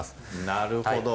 なるほど。